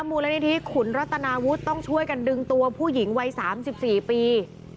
มูลนิธิขุนรัตนาวุฒิต้องช่วยกันดึงตัวผู้หญิงวัย๓๔ปี